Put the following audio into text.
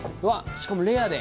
しかもレアで。